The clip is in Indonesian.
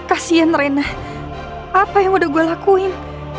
apa yang udah gue lakuin